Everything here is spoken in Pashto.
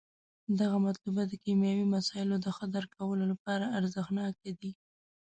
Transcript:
دغه مطلبونه د کیمیاوي مسایلو د ښه درک لپاره ارزښت ناکه دي.